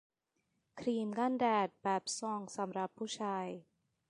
ครีมกันแดดแบบซองสำหรับผู้ชาย